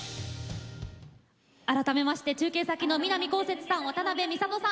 改めまして、中継先の南こうせつさん、渡辺美里さん